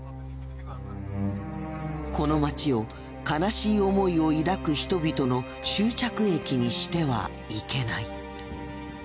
この街を悲しい思いを抱く人々の終着駅にしてはいけない。